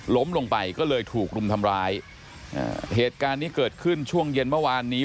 ล้มลงไปก็เลยถูกรุมทำร้ายอ่าเหตุการณ์นี้เกิดขึ้นช่วงเย็นเมื่อวานนี้